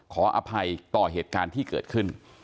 ขออภัยต่อเหตุการณ์ที่เกิดขึ้น